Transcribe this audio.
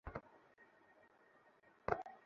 Hello, স্ট্যান।